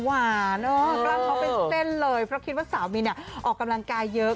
กล้างเขาเป็นเส้นเลยเพราะคิดว่าสาวมินออกกำลังกายเยอะ